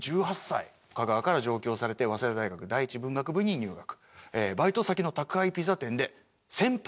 「香川から上京されて早稲田大学第一文学部に入学」「バイト先の宅配ピザ店で“先輩”に出会う」